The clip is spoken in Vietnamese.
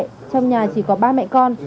trong nhà chỉ có ba mẹ con